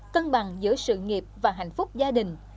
cân bằng giữa sự nghiệp và hạnh phúc gia đình